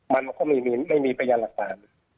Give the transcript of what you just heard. มันก็ไม่มีพยานหลักฐาน